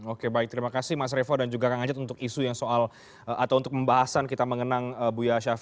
oke baik terima kasih mas revo dan juga kang ajat untuk isu yang soal atau untuk pembahasan kita mengenang buya syafi